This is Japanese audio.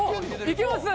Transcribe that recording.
いけます！